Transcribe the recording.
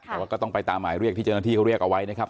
แต่ว่าก็ต้องไปตามหมายเรียกที่เจ้าหน้าที่เขาเรียกเอาไว้นะครับ